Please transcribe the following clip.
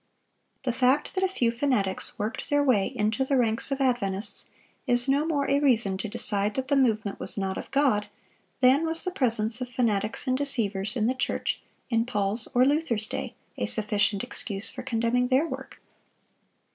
The fact that a few fanatics worked their way into the ranks of Adventists is no more a reason to decide that the movement was not of God, than was the presence of fanatics and deceivers in the church in Paul's or Luther's day a sufficient excuse for condemning their work.